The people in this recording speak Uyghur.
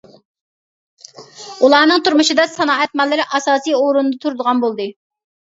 ئۇلارنىڭ تۇرمۇشىدا سانائەت ماللىرى ئاساسى ئورۇندا تۇرىدىغان بولدى.